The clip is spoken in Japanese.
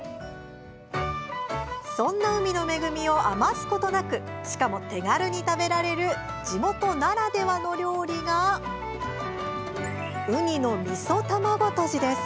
そんな海の恵みを余すことなくしかも手軽に食べられる地元ならではの料理がウニのみそ卵とじです。